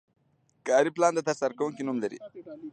کاري پلان د ترسره کوونکي نوم لري.